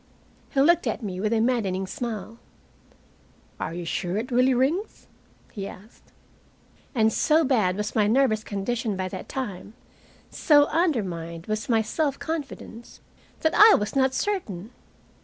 He looked at me with a maddening smile. "Are you sure it really rings?" he asked. And so bad was my nervous condition by that time, so undermined was my self confidence, that I was not certain!